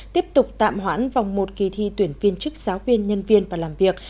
tiếp tục tạm hoãn vòng một kỳ thi tuyển viên chức giáo viên nhân viên và làm việc